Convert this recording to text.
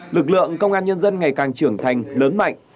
lực lượng công an nhân dân ngày càng trưởng thành lớn mạnh